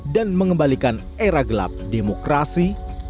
dan mengembalikan era gelap demokrasi